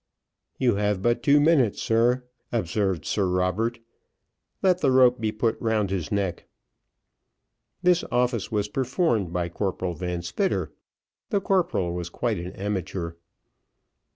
"You have but two minutes, sir," observed Sir Robert. "Let the rope be put round his neck." This office was performed by Corporal Van Spitter. The corporal was quite an amateur.